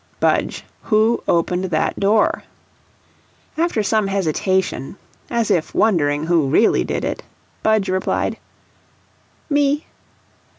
"Budge, who opened that door?" After some hesitation, as if wondering who really did it, Budge replied: "Me."